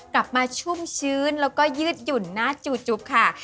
กลับมาชุ่มชื้นแล้วก็ยืดหยุ่นหน้าจูบค่ะ